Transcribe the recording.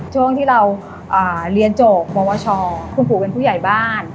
ช่วงที่เราเรียนจบปวชคุณปู่เป็นผู้ใหญ่บ้าน